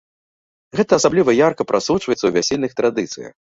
Гэта асабліва ярка прасочваецца ў вясельных традыцыях.